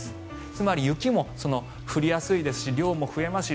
つまり、雪も降りやすいですし量も増えますし